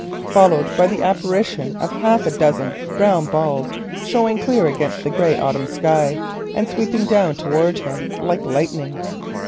_" followed by the apparition of half a dozen brown balls showing clearly against the grey autumn sky and sweeping down towards him like lightning.